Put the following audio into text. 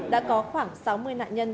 đã có khoảng sáu mươi nạn nhân